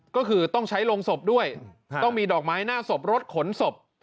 ก็คือต้องใช้โรงศพด้วยต้องมีดอกไม้หน้าศพรถขนศพ